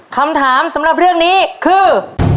คำถามสำหรับเรื่องนี้คือ